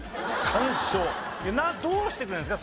どうしてくれるんですか？